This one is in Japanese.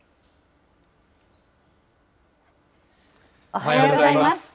おはようございます。